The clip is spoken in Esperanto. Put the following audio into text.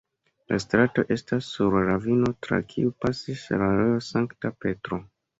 La strato estas sur ravino tra kiu pasis la rojo Sankta Petro.